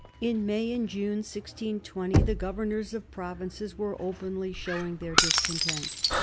In May and June 1620 the governors of provinces were openly showing their discontent.